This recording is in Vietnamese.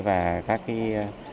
và các cái